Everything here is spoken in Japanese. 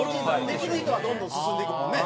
できる人はどんどん進んでいくもんね。